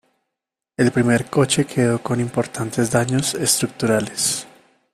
El primer coche quedó con importantes daños estructurales.